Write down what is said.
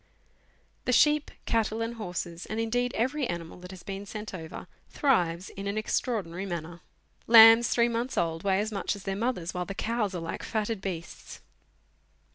The sheep, cattle, and horses, and indeed every animal that has been sent over, thrives in an extraordinary manner. Lambs Letters from Victorian Pioneers. three months old weigh as much as their mothers, while the cows are like fatted beasts.